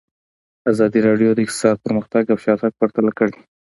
ازادي راډیو د اقتصاد پرمختګ او شاتګ پرتله کړی.